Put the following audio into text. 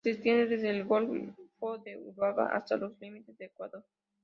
Se extiende desde el golfo de Urabá hasta los límites con Ecuador.